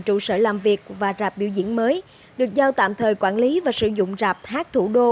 trụ sở làm việc và rạp biểu diễn mới được giao tạm thời quản lý và sử dụng rạp thác thủ đô